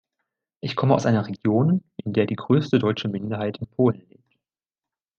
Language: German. Ich komme aus einer Region, in der die größte deutsche Minderheit in Polen lebt.